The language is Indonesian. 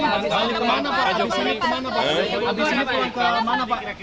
habis ini kemana pak